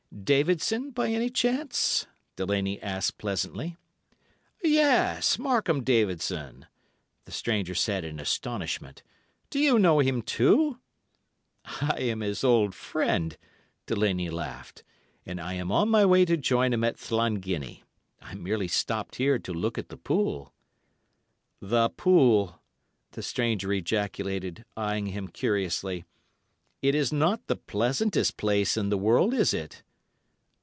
"'Davidson, by any chance?' Delaney asked pleasantly. "'Yes, Markham Davidson,' the stranger said in astonishment. 'Do you know him, too?' "'I am his old friend,' Delaney laughed, 'and I am on my way to join him at Llanginney. I merely stopped here to look at the pool.' "'The pool,' the stranger ejaculated, eyeing him curiously. 'It is not the pleasantest place in the world, is it?